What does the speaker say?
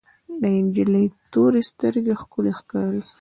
د انجلۍ تورې سترګې ښکلې ښکاري.